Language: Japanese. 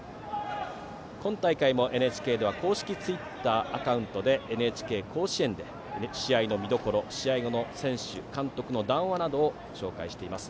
今大会もＮＨＫでは公式ツイッターアカウント「ＮＨＫ甲子園」で試合の見どころ試合後の選手、監督の談話などを紹介しています。